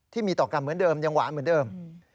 ที่มีต่อกรรมเหมือนเดิมยังหวานเหมือนเดิม